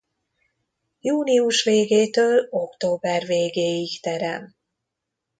Június végétől október végéig terem.